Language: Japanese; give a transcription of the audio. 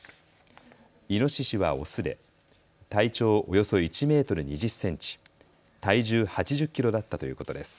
イノシシはオスで体長およそ１メートル２０センチ、体重８０キロだったということです。